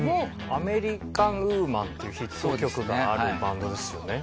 『アメリカン・ウーマン』っていうヒット曲があるバンドですよね？